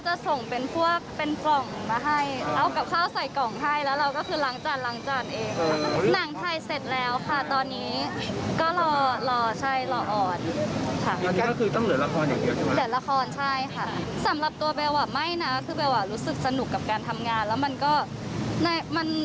จากตอนนั้นที่เราไม่ได้กดดันแล้วก็ออกมาดีมันก็น่าจะเป็นอะไรที่เราน่าจะยืดต่อได้